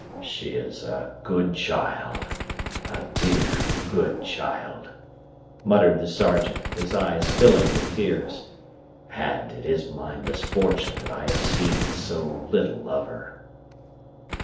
"She's a good child a dear, good child," muttered the Sergeant, his eyes filling with tears; "and it is my misfortune that I have seen so little of her."